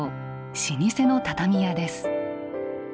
老舗の畳屋です。